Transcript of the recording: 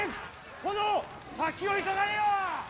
殿先を急がれよ！